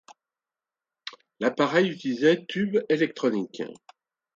L'appareil utilisait tubes électroniques.